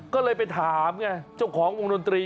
ก็เลยไปถามไงเจ้าของวงดนตรี